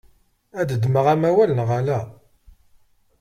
Ad d-ddmeɣ amawal neɣ ala?